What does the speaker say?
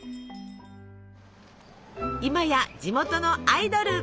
今や地元のアイドル！